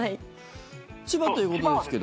千葉ということですけど。